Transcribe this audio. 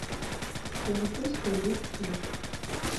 Классым столитф ит.